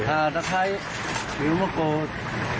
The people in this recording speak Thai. ขาวตะไคร่หิวสะกด